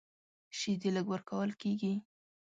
شیدې لږ ورکول کېږي.